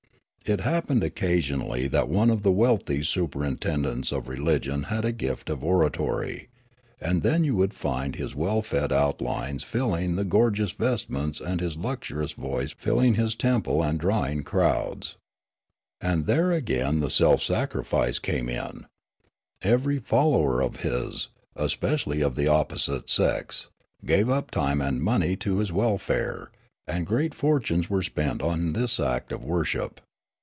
It happened occasionally that one of the wealthy superintendents of religion had a gift of oratory, and then you would find his well fed outlines filling the gorgeous vestments and his luxurious voice filling his temple and drawing crowds. And there again the self sacrifice came in ; every follower of his, especially of the opposite sex, gave up time and money to his welfare ; and great fortunes were spent on this act of worship.